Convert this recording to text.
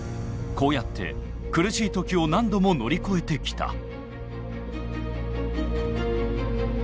こうやって苦しい時を何度も乗り越えてきた。